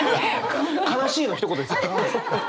「悲しい」のひと言ですよ。